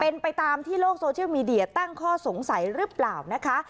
เป็นไปตามที่โลกโซเชียลมีเดียตั้งข้อสงสัยหรือเปล่านะคะ